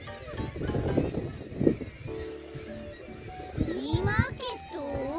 フリーマーケット？